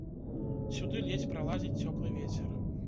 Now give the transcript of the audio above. Сюды ледзь пралазіць цёплы вецер.